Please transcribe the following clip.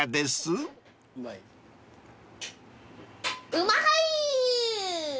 うまはい！